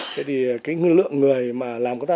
thế thì cái lượng người mà làm công tác